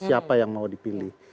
siapa yang mau dipilih